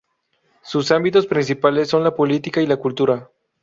Sus ámbitos principales son la política y la cultura.